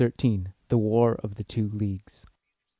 CXIII. THE WAR OF THE TWO LEAGUES.